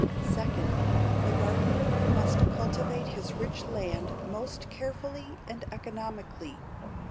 Second, the gardener must cultivate his rich land most carefully and economically.